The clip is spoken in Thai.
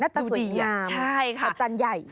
หน้าตาสวยงามจันทร์ใหญ่มันดูแบบดูดีอ่ะใช่ค่ะ